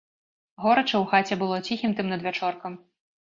Горача ў хаце было ціхім тым надвячоркам.